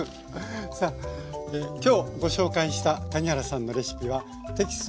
さあ今日ご紹介した谷原さんのレシピはテキスト